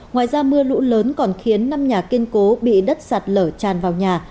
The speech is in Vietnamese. ngoài ra mưa lũ lớn còn khiến năm nhà kiên cố bị đất sạt lở tràn vào nhà